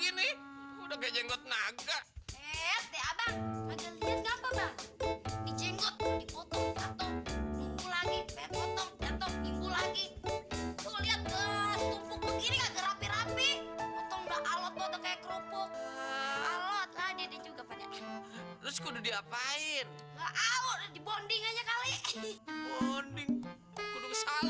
ini kalau ngga di sweets